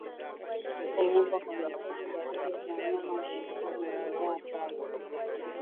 Kuvimba kwa tezi ni dalili za mnyama aliyekufa kwa ndigana kali